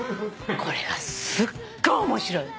これがすっごい面白い。